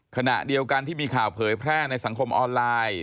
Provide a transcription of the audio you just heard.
ขณะเดียวกันที่มีข่าวเผยแพร่ในสังคมออนไลน์